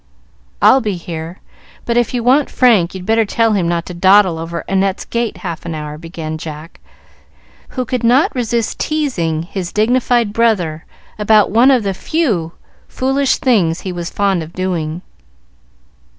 "I'll be here, but if you want Frank, you'd better tell him not to dawdle over Annette's gate half an hour," began Jack, who could not resist teasing his dignified brother about one of the few foolish things he was fond of doing.